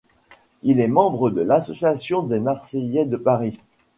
Il est membre de l'association des Marseillais de Paris.